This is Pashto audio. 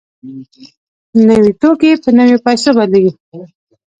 نوي توکي په نویو پیسو بدلېږي